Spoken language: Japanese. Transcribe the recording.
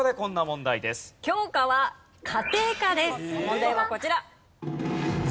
問題はこちら。